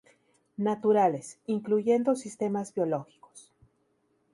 Naturales, incluyendo sistemas biológicos.